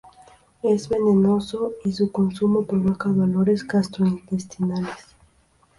Es venenoso, y su consumo provoca dolores gastrointestinales.